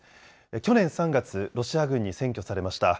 去年３月、ロシア軍に占拠されました。